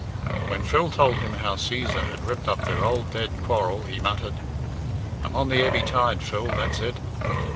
When Phil told him how Cæsar had ripped up their old dead quarrel he muttered, "I'm on the ebby tide, Phil, that's it."